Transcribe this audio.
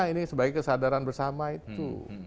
ini sebagai kesadaran bersama itu